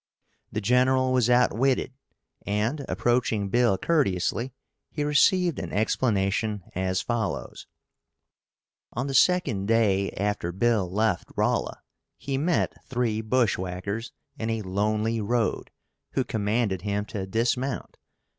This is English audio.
The General was outwitted, and, approaching Bill courteously, he received an explanation as follows: On the second day after Bill left Rolla, he met three bushwhackers in a lonely road, who commanded him to dismount.